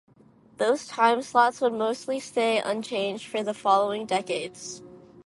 Those timeslots would mostly stay unchanged for the following decades.